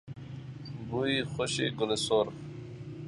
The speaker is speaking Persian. بوی خوش گل سرخ